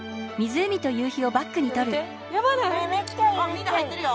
みんな入ってるよ。